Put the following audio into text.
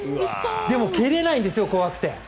でも、蹴れないんですよ怖くて。